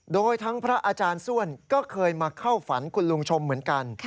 โดยทั้งพระอาจารย์ส้วนก็เคยมาเข้าฝันคุณลุงชมเหมือนกัน